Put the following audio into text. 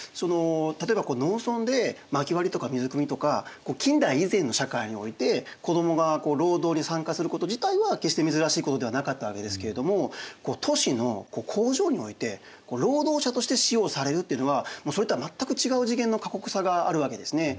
例えば農村でまき割りとか水くみとか近代以前の社会において子どもが労働に参加すること自体は決して珍しいことではなかったわけですけれども都市の工場において労働者として使用されるっていうのはそれとは全く違う次元の過酷さがあるわけですね。